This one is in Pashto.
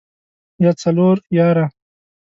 يا څلور ياره.